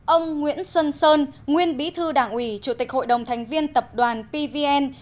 ông nguyễn xuân sơn nguyên bí thư đảng ủy chủ tịch hội đồng thành viên tập đoàn pvn